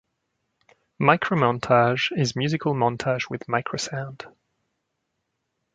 Micromontage is musical montage with microsound.